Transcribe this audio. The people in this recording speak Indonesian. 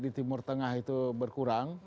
di timur tengah itu berkurang